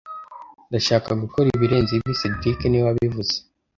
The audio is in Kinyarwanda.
Ndashaka gukora ibirenze ibi cedric niwe wabivuze